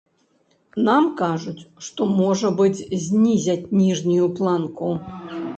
Нам кажуць, што, можа быць, знізяць ніжнюю планку.